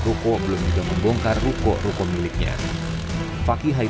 ruko belum membongkar ruko ruko miliknya fakihai